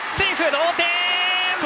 同点！